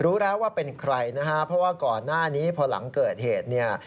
รู้แล้วว่าเป็นใครนะฮะเพราะว่าก่อนหน้านี้พอหลังเกิดเหตุเนี่ย